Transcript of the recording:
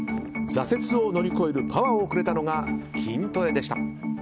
挫折を乗り越えるパワーをくれたのが筋トレでした。